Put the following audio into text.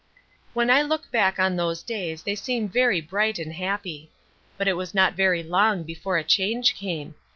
When I look back on those days they seem very bright and happy. But it was not very long before a change came.